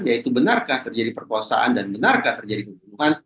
yaitu benarkah terjadi perkosaan dan benarkah terjadi pembunuhan